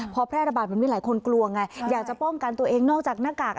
พอแพร่ระบาดมันมีหลายคนกลัวไงอยากจะป้องกันตัวเองนอกจากหน้ากาก